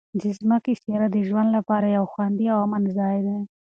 د ځمکې سیاره د ژوند لپاره یو خوندي او امن ځای دی.